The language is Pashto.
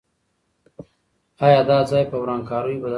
آیا دا ځای په ورانکاریو بدل سوی؟